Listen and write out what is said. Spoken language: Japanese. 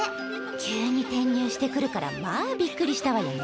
急に転入してくるからまあびっくりしたわよね。